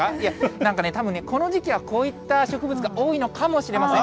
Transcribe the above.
なんかね、たぶんね、この時期はこういった植物が多いのかもしれません。